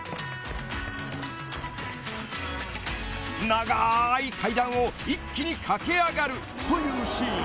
［長い階段を一気に駆け上がるというシーン］